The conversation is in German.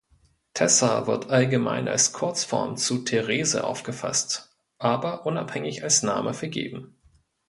Tessa wird allgemein als Kurzform zu Therese aufgefasst, aber unabhängig als Name vergeben.